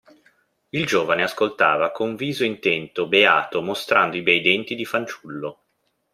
Il giovane ascoltava con viso intento, beato, mostrando i bei denti di fanciullo.